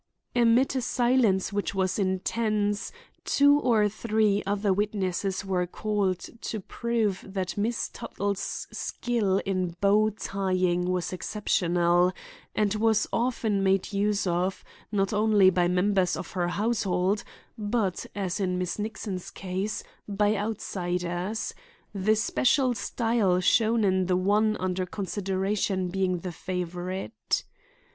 Amid a silence which was intense, two or three other witnesses were called to prove that Miss Tuttle's skill in bow tying was exceptional, and was often made use of, not only by members of her household, but, as in Miss Nixon's case, by outsiders; the special style shown in the one under consideration being the favorite.